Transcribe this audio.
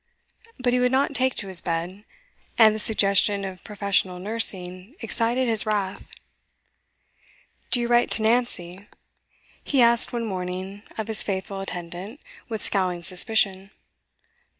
But he would not take to his bed, and the suggestion of professional nursing excited his wrath. 'Do you write to Nancy?' he asked one morning of his faithful attendant, with scowling suspicion.